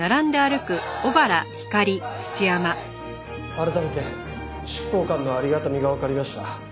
改めて執行官のありがたみがわかりました。